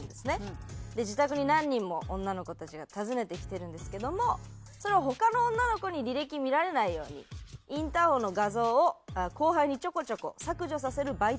自宅に何人も女の子たちが訪ねてきてるんですけども他の女の子に履歴見られないようにインターホンの画像を後輩にちょこちょこ削除させるバイトをしていると。